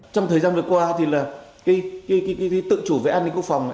trong thời gian vừa qua tự chủ về an ninh quốc phòng